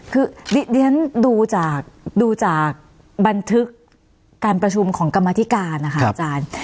คือดิฉันดูจากบันทึกการประชุมของกรรมธิการ